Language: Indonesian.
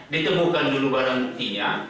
ditemukan dulu barang buktinya